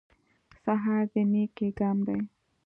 سهار د نېکۍ ګام دی.